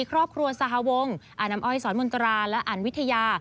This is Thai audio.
ครอบครัวสาธาวงศ์อาณำอ้อยสรมนตราและอันวิทยา